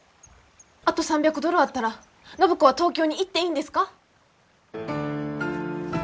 あと３００ドルあったら暢子は東京に行っていいんですか？